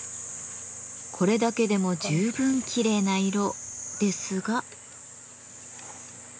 これだけでも十分きれいな色ですが。